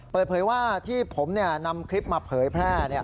เปิดเผยว่าที่ผมนำคลิปมาเผยแพร่